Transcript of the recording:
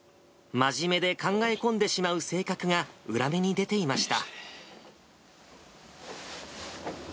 真面目で考え込んでしまう性格が、裏目に出ていました。